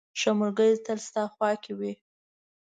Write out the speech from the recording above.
• ښه ملګری تل ستا خوا کې وي.